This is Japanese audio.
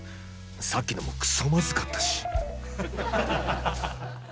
さっきのもくそまずかったし。